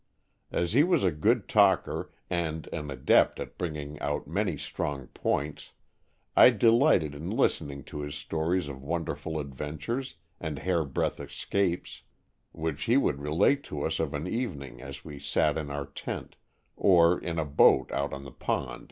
As he was a good talker and an adept at bringing out many strong points, I delighted in listening to his stories of wonderful adventures and hairbreadth escapes, which he would relate to us of an evening as we sat in our tent, or in a boat out on the pond 42 Stories from the Adirondack^.